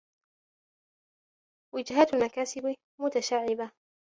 وَجِهَاتُ الْمَكَاسِبِ مُتَشَعِّبَةٌ